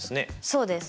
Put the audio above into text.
そうです。